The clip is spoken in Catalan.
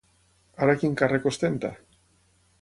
Ara quin càrrec ostenta?